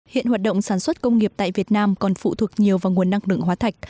hiện hoạt động sản xuất công nghiệp tại việt nam còn phụ thuộc nhiều vào nguồn năng lượng hóa thạch